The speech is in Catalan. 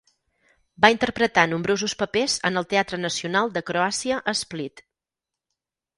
Va interpretar nombrosos papers en el Teatre Nacional de Croàcia a Split.